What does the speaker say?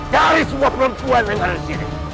nyaris semua perempuan yang ada di sini